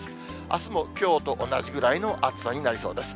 あすも、きょうと同じぐらいの暑さになりそうです。